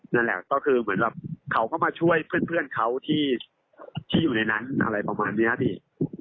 นั่นแหละก็คือเหมือนแบบเขาก็มาช่วยเพื่อนเขาที่อยู่ในนั้นอะไรประมาณนี้พี่